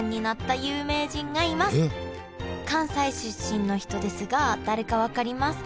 関西出身の人ですが誰か分かりますか？